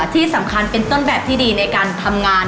ที่สำคัญเป็นต้นแบบที่ดีในการทำงาน